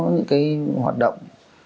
những hoạt động